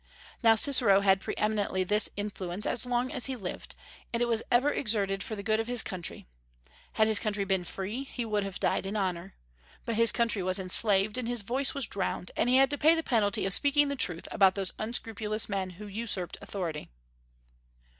Now Cicero had pre eminently this influence as long as he lived; and it was ever exerted for the good of his country. Had his country been free, he would have died in honor. But his country was enslaved, and his voice was drowned, and he had to pay the penalty of speaking the truth about those unscrupulous men who usurped authority.